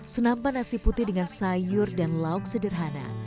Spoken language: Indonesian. senampan nasi putih dengan sayur dan lauk sederhana